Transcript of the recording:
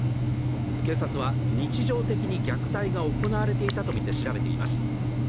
警察は日常的に虐待が行われていたとみて調べています。